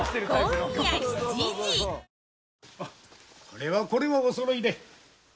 これはこれはおそろいで。